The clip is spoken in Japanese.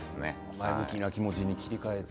前向きな気持ちに切り替えて。